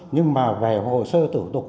nhưng mà về hồ sơ thủ tục